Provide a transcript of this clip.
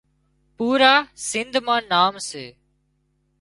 پُورا سنڌ مان نام سي